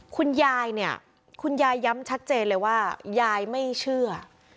คุณยายเนี่ยคุณยายย้ำชัดเจนเลยว่ายายไม่เชื่อ